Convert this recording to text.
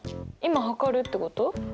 今測るってこと？